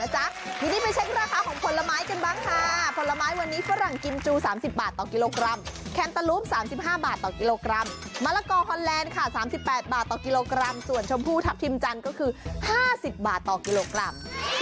สัตว์สอนละไม้วันนี้ฝรั่งกิมจู๓๐บาทต่อกิโลกรัมแคมป์ตาลูป๓๕บาทต่อกิโลกรัมมะละกอลฮอร์แลนด์๓๘บาทต่อกิโลกรัมส่วนชมพูทัพทิมจันทร์ก็คือ๕๐บาทต่อกิโลกรัม